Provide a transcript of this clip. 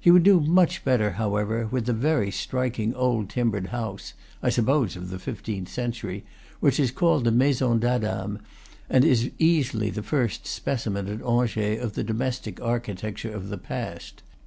He would do much better, however, with the very striking old timbered house (I suppose of the fifteenth century) which is called the Maison d'Adam, and is easily the first specimen at Angers of the domestic architecture of the past.